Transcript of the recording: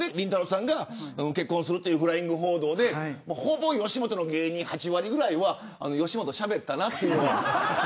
さんが結婚するというフライング報道でほぼ、吉本の芸人８割ぐらいは吉本、しゃべったなと。